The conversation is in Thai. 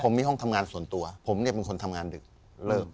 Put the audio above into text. ผมมีห้องทำงานส่วนตัวผมเนี่ยเป็นคนทำงานดึกเริ่ม